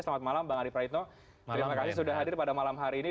selamat malam bang adi praitno terima kasih sudah hadir pada malam hari ini